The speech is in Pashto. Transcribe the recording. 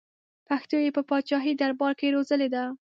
پښتو یې په پاچاهي دربار کې روزلې ده.